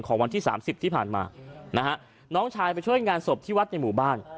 วันที่สามสิบที่ผ่านมานะฮะน้องชายไปช่วยงานศพที่วัดในหมู่บ้าน